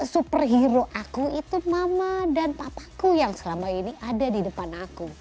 superhero aku itu mama dan papaku yang selama ini ada di depan aku